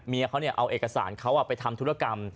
เขาเอาเอกสารเขาไปทำธุรกรรม